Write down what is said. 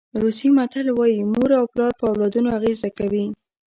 روسي متل وایي مور او پلار په اولادونو اغېزه کوي.